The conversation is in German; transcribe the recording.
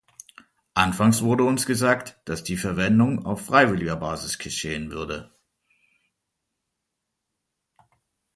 Anfangs wurde uns gesagt, dass die Verwendung auf freiwilliger Basis geschehen würde.